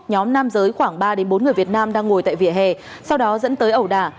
nhóm nam giới khoảng ba bốn người việt nam đang ngồi tại vỉa hè sau đó dẫn tới ẩu đả